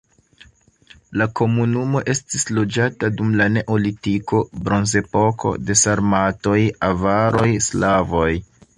La komunumo estis loĝata dum la neolitiko, bronzepoko, de sarmatoj, avaroj, slavoj.